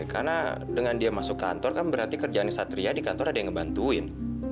karena dengan dia masuk kantor kan berarti kerjaannya satria di kantor ada yang ngebantuin